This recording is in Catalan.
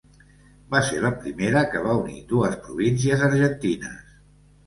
Va ser la primera que va unir dues províncies argentines.